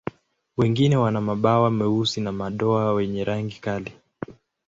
Wengine wana mabawa meusi na madoa wenye rangi kali.